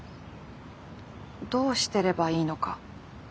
どうしてればいいのか。